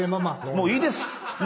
もういいです。